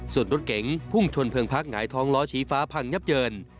ส่วนรถเก๋งพุ่งชนเพลิงพักหงายท้องล้อชี้ฟ้าพังยับเยิน